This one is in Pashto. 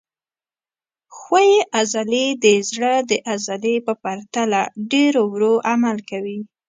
ښویې عضلې د زړه د عضلې په پرتله ډېر ورو عمل کوي.